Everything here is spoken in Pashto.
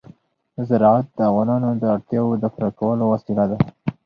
زراعت د افغانانو د اړتیاوو د پوره کولو وسیله ده.